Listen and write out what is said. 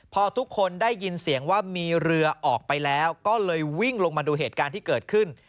พอทุกคนได้ยินเสียงว่ามีเรือออกไปแล้วก็เลยวิ่งลงมาดูเหตุการณ์ที่เกิดขึ้น